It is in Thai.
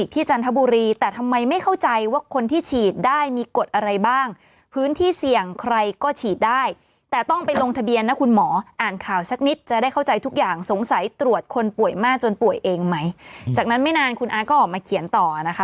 ตรวจคนป่วยมากจนป่วยเองไหมจากนั้นไม่นานคุณอาทิตย์ก็ออกมาเขียนต่อนะคะ